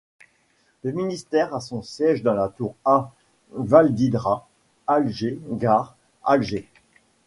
Le ministère a son siège dans le Tour A, Val d'Hydra, Alger Gare, Alger.